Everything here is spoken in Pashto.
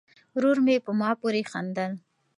ورور مې په ما پورې خندل.